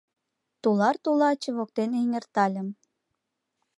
Тулар-тулаче воктен эҥертальым.